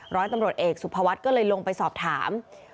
ร้อยตำรวจเอกสุภวัฒน์ก็เลยลงไปสอบถาม